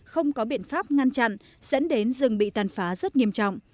không có biện pháp ngăn chặn dẫn đến rừng bị tàn phá rất nghiêm trọng